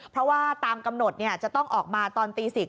เพราะว่าตามกำหนดจะต้องออกมาตอนตี๑๐